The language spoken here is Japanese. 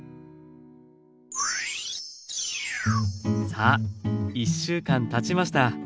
さあ１週間たちました。